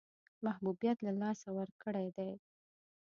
محبوبیت له لاسه ورکړی دی.